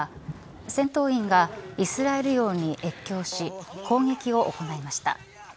戦闘員がイスラエル領に越境し攻撃を行いました。